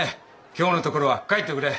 今日のところは帰っておくれ。